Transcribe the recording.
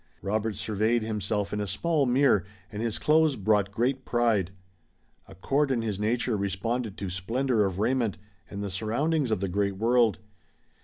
Robert surveyed himself in a small glass, and his clothes brought great pride. A chord in his nature responded to splendor of raiment, and the surroundings of the great world.